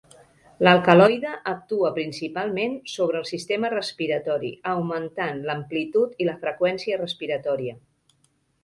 L'alcaloide actua principalment sobre el sistema respiratori, augmentant l'amplitud i la freqüència respiratòria.